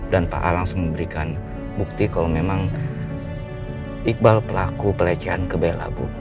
dan pak al langsung memberikan bukti kalau memang iqbal pelaku pelecehan kebela bu